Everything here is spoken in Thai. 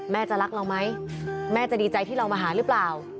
จะรักเราไหมแม่จะดีใจที่เรามาหาหรือเปล่า